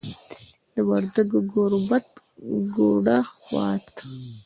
د وردګو ګوربت، ګوډه، خوات